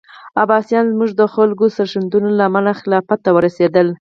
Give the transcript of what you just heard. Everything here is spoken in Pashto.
عباسیان زموږ د خلکو سرښندنو له امله خلافت ته ورسېدل.